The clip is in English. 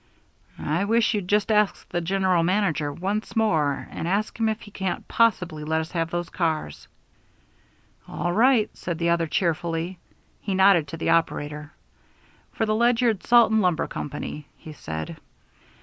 "I wish you'd just wire the general manager once more and ask him if he can't possibly let us have those cars." "All right," said the other, cheerfully. He nodded to the operator. "For the Ledyard Salt and Lumber Company," he said.